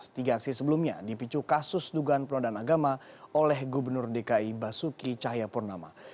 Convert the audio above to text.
tiga aksi sebelumnya dipicu kasus dugaan penodaan agama oleh gubernur dki basuki cahayapurnama